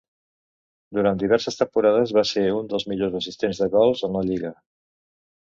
Durant diverses temporades va ser un dels millors assistents de gol en la lliga.